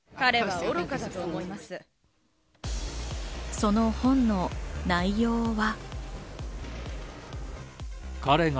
その本の内容は。